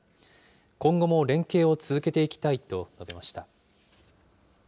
今後も連携を続けていきたいと述べました。